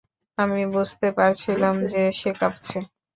আমি বুঝতে পারছিলাম যে, সে কাঁপছে।